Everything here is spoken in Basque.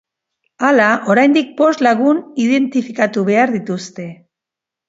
Hala, oraindik bost lagun identifikatu behar dituzte.